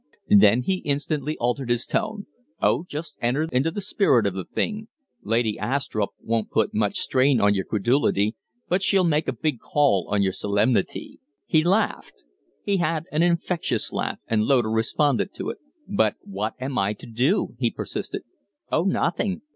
Then he instantly altered his tone: "Oh, just enter into the spirit of the thing. Lady Astrupp won't put much strain on your credulity, but she'll make a big call on your solemnity." He laughed. He had an infectious laugh, and Loder responded to it. "But what am I to do?" he persisted. "Oh, nothing.